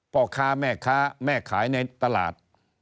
พ่อค้าแม่ค้าแม่ขายในตลาด